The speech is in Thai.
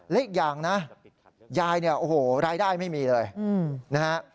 และอีกอย่างนะยายเนี่ยโอ้โหรายได้ไม่มีเลยนะฮะ